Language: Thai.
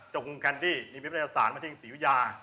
เจ้าคุณแคนดี้มีเมียประทัยศาสนมาที่สิวิยา